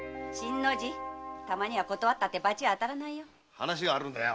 話があるんだよ。